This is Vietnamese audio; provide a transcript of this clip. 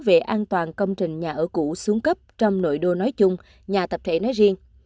về an toàn công trình nhà ở cũ xuống cấp trong nội đô nói chung nhà tập thể nói riêng